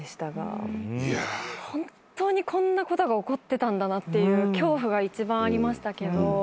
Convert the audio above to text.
本当にこんなことが起こってたんだなという恐怖が一番ありましたけど。